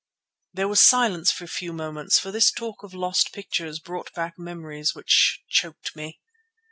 There was silence for a few moments, for this talk of lost pictures brought back memories which choked me.